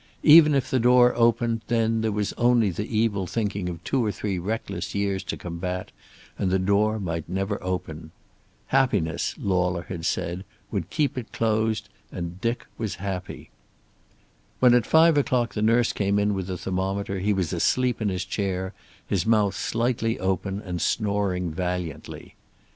Even if the door opened, then, there was only the evil thinking of two or three reckless years to combat, and the door might never open. Happiness, Lauler had said, would keep it closed, and Dick was happy. When at five o'clock the nurse came in with a thermometer he was asleep in his chair, his mouth slightly open, and snoring valiantly.